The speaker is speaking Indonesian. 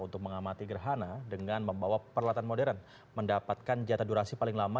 untuk mengamati gerhana dengan membawa peralatan modern mendapatkan jatah durasi paling lama